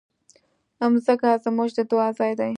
مځکه زموږ د دعا ځای ده.